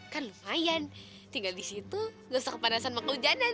kan lumayan tinggal disitu gak usah kepanasan sama kehujanan